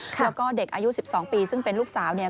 แล้วก็เด็กอายุ๑๒ปีซึ่งเป็นลูกสาวเนี่ย